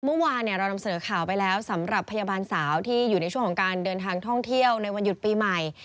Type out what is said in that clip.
เมื่อวานเรานำเสนอข่าวไปแล้วสำหรับพยาบาลสาวที่อยู่ในช่วงของการเดินทางท่องเที่ยวในวันหยุดปีใหม่